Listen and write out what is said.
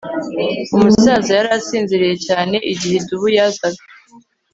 Umusaza yari asinziriye cyane igihe idubu yazaga